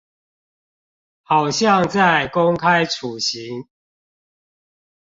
好像在公開處刑